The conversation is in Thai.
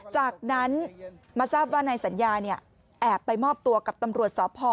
จากนั้นมาทราบว่านายสัญญาแอบไปมอบตัวกับตำรวจสพ